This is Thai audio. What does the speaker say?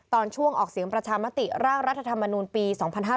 ตอนช่วงออกเสียงประชามติร่างรัฐธรรมนูลปี๒๕๕๙